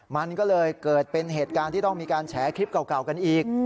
มันก็เลยเกิดเป็นเหตุการณ์ที่ต้องมีการแฉคลิปเก่ากันอีก